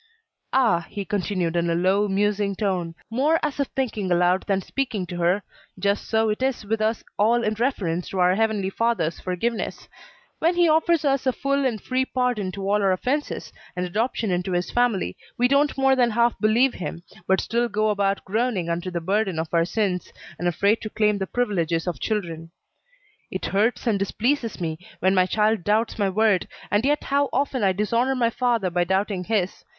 "Ah!" he continued in a low, musing tone, more as if thinking aloud than speaking to her, "just so it is with us all in reference to our Heavenly Father's forgiveness; when he offers us a full and free pardon of all our offences, and adoption into his family, we don't more than half believe him, but still go about groaning under the burden of our sins, and afraid to claim the privileges of children. "It hurts and displeases me when my child doubts my word, and yet how often I dishonor my Father by doubting his.